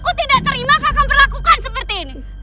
aku tidak terima kakang berlakukan seperti ini